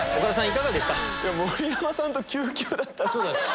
いかがでした？